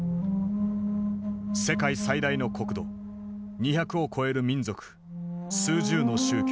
世界最大の国土２００を超える民族数十の宗教。